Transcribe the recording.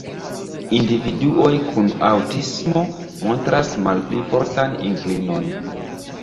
Individuoj kun aŭtismo montras malpli fortan inklinon.